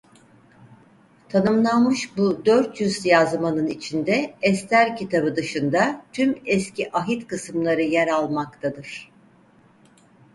Tanımlanmış bu dört yüz yazmanın içinde Ester Kitabı dışında tüm Eski Ahit kısımları yer almaktadır.